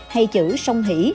hay chữ song hỉ